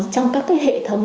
trong các cái hệ thống